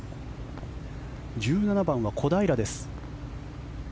１７番は小平です。